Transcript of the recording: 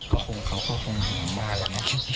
ก็คงเขาคงห่วงบ้านหลังนี้